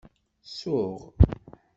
Suɣ.